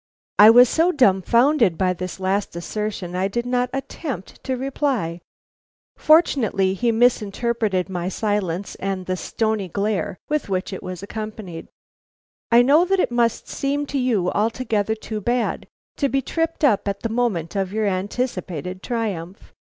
I was so dumfounded by this last assertion, I did not attempt to reply. Fortunately, he misinterpreted my silence and the "stony glare" with which it was accompanied. "I know that it must seem to you altogether too bad, to be tripped up at the moment of your anticipated triumph.